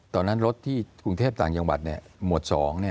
ตอนนั้นรถที่กรุงเทพต่างจังหวัดหมวด๒